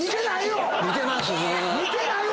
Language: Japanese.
似てないよ！